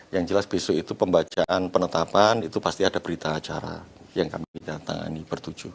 yang jelas besok itu pembacaan penetapan itu pasti ada berita acara yang kami datangi bertujuh